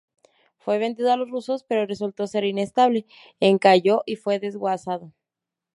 Fue vendido a los rusos, pero resultó ser inestable, encalló y fue desguazado.